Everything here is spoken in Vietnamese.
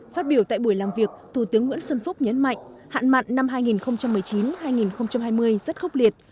phát biểu tại buổi làm việc thủ tướng nguyễn xuân phúc nhấn mạnh hạn mặn năm hai nghìn một mươi chín hai nghìn hai mươi rất khốc liệt